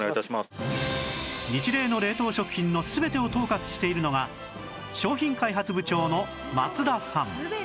ニチレイの冷凍食品の全てを統括しているのが商品開発部長の松田さん